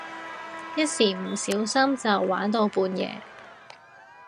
一個唔小心就玩到半夜